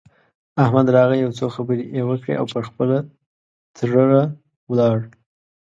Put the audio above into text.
احمد راغی؛ يو څو خبرې يې وکړې او پر خپله تړه ولاړ.